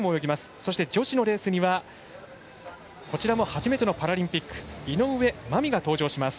そして女子のレースにはこちらも初めてのパラリンピック井上舞美が登場します。